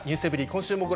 今週もご